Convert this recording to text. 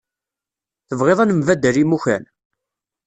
Tebɣiḍ ad nembaddal imukan?